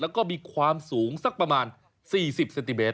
แล้วก็มีความสูงสักประมาณ๔๐เซนติเมตร